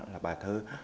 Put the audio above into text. là bài thơ